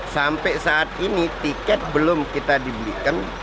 sampai saat ini tiket belum kita dibelikan